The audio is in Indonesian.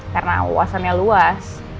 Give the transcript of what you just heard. karena uasannya luas